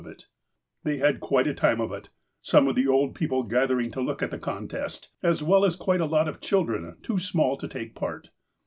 FIRST FRUITS 141 They bad quite a time of it, some of the old people gath ering to look at the contest, as well as quite a lot of chil dren, too small to take part.